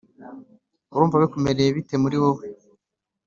Urumva bikumereye bite muri wowe ?